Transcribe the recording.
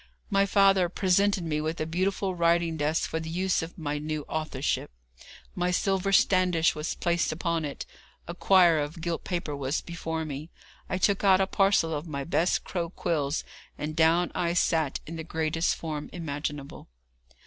My father presented me with a beautiful writing desk for the use of my new authorship. My silver standish was placed upon it; a quire of gilt paper was before me. I took out a parcel of my best crow quills, and down I sate in the greatest form imaginable.